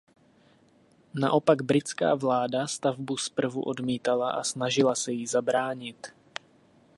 Naopak britská vláda stavbu zprvu odmítala a snažila se jí zabránit.